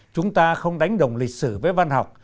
chúng ta không đánh đồng lịch sử với văn học